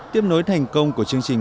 tiếp nối thành công của chương trình